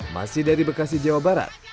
masih dari bekasi jawa barat